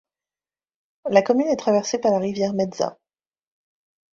La commune est traversée par la rivière Meža.